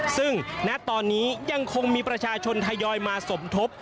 ซึ่งณตอนนี้ยังคงมีประชาชนทยอยมาสมทบ